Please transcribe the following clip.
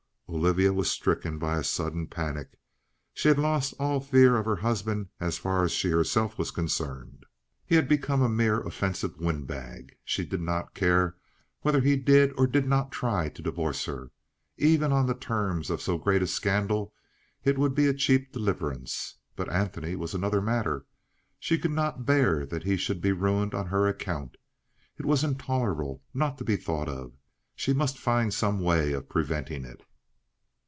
Olivia was stricken by a sudden panic. She had lost all fear of her husband as far as she herself was concerned. He had become a mere offensive windbag. She did not care whether he did, or did not, try to divorce her. Even on the terms of so great a scandal it would be a cheap deliverance. But Antony was another matter.... She could not bear that he should be ruined on her account.... It was intolerable ... not to be thought of.... She must find some way of preventing it.